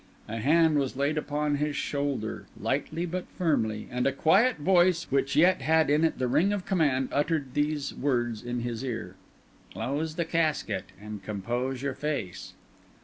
A hand was laid upon his shoulder, lightly but firmly, and a quiet voice, which yet had in it the ring of command, uttered these words in his ear— "Close the casket, and compose your face."